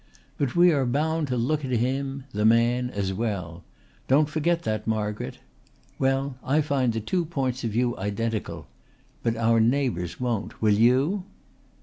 But we are bound to look at him, the man, as well. Don't forget that, Margaret! Well, I find the two points of view identical. But our neighbours won't. Will you?"